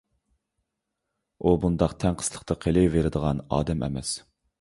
ئۇ بۇنداق تەڭقىسلىقتا قېلىۋېرىدىغان ئادەم ئەمەس.